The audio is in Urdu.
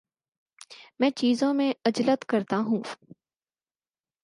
میں چیزوں میں عجلت کرتا ہوں